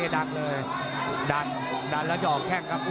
ดัดดัดแล้วจะออกมาแค่งตัว